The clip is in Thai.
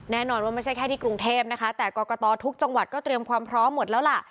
แน่นอนว่าไม่ใช่แค่ที่กรุงเทพนะคะแต่กรกตทุกจังหวัดก็เตรียมความพร้อมหมดแล้วล่ะ